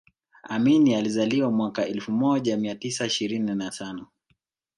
amini alizaliwa mwaka elfu moja mia tisa ishirini na tano